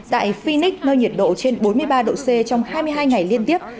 tại fuinnic nơi nhiệt độ trên bốn mươi ba độ c trong hai mươi hai ngày liên tiếp